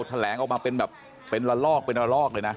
แถลงออกมาเป็นแบบเป็นละลอกเลยนะ